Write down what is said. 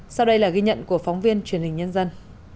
sau đây là ghi nhận của phóng viên truyền hình nhân dân